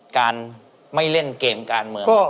การไม่เล่นเกมการเมือง